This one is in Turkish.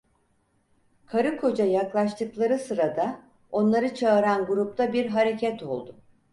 Karı koca yaklaştıkları sırada onları çağıran grupta bir hareket oldu.